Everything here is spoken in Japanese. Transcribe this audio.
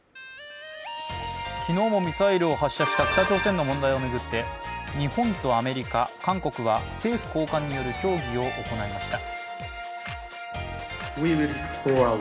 昨日もミサイルを発射した北朝鮮の問題を巡って日本とアメリカ、韓国は政府高官による協議を行いました。